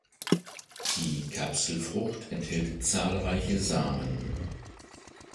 Die Kapselfrucht enthält zahlreiche Samen.